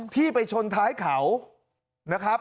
ที่ไปชนท้ายเขา